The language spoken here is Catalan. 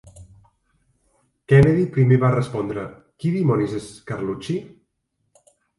Kennedy primer va respondre "Qui dimonis és Carlucci?"